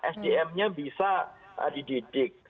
sdm nya bisa dididik